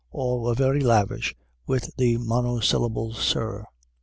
All were very lavish with the monosyllable, Sir.